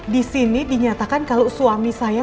disini dinyatakan kalau suami saya